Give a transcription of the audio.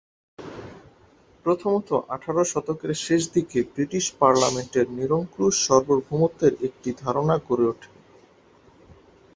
প্রথমত, আঠারো শতকের শেষদিকে ব্রিটিশ পার্লামেন্টের নিরঙ্কুশ সার্বভৌমত্বের একটি ধারণা গড়ে ওঠে।